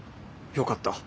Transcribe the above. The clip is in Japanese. よかった。